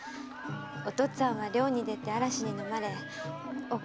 お父っつぁんは漁に出て嵐にのまれおっ